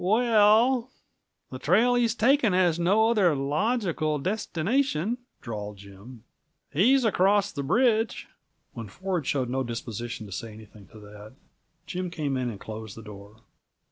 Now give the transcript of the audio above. "We el, the trail he's taking has no other logical destination," drawled Jim. "He's across the bridge." When Ford showed no disposition to say anything to that, Jim came in and closed the door.